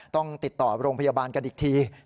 ต้องติดต่อโรงพยาบาลกันอีกที